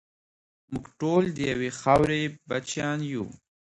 موږ ټول د یوې خاورې بچیان یو.